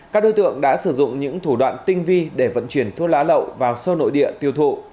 các đối tượng đã sử dụng những thủ đoạn tinh vi để vận chuyển thuốc lá lậu vào sơ nội địa tiêu thụ